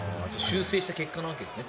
修正した結果なわけですね。